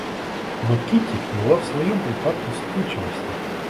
Но Кити была в своем припадке вспыльчивости.